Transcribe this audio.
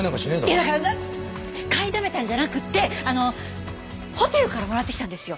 いやだから買いだめたんじゃなくてホテルからもらってきたんですよ。